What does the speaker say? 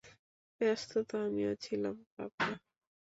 ব্যস্ত তো আমিও ছিলাম, পাপা।